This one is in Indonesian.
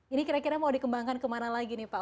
ini kira kira mau dikembangkan kemana lagi nih pak